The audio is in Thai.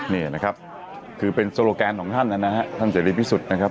นี่ครับเป็นโซโลแกนของท่านท่านเศรษฐีมิสุธ